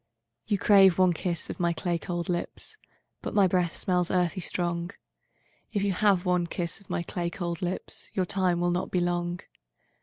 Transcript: '—V'You crave one kiss of my clay cold lips; But my breath smells earthy strong; If you have one kiss of my clay cold lips, Your time will not be long.